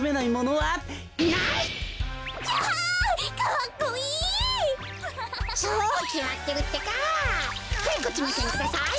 はいこっちめせんください。